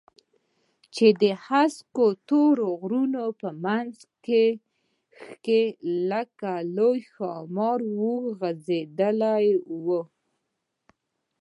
چې د هسکو تورو غرونو په منځ کښې لکه لوى ښامار اوږده غځېدلې وه.